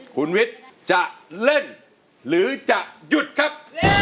คุณวิทย์จะเล่นหรือจะหยุดครับ